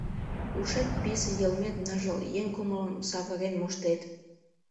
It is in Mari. Ушет писе, йылмет ныжыл, еҥ кумылым савырен моштет.